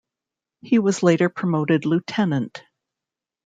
He was later promoted lieutenant.